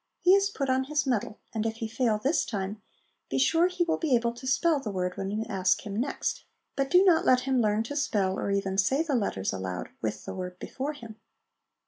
He is put on his mettle, and if he fail this time, be sure he will be able to spell the word when you ask 206 HOME EDUCATION him next ; but do not let him learn to spell or even say the letters aloud with the word before him.